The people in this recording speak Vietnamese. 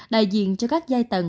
đại diện cho các giai tạo